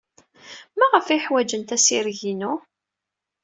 Maɣef ay ḥwajent assireg-inu?